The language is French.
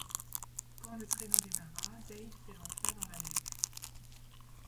Quand le traîneau démarra, Dave s’élança dans la neige.